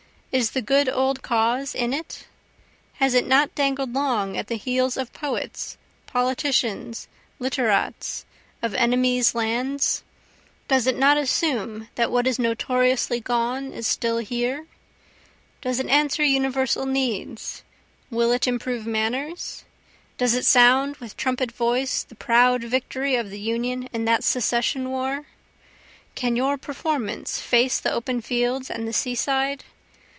Is the good old cause in it? Has it not dangled long at the heels of the poets, politicians, literats, of enemies' lands? Does it not assume that what is notoriously gone is still here? Does it answer universal needs? will it improve manners? Does it sound with trumpet voice the proud victory of the Union in that secession war? Can your performance face the open fields and the seaside?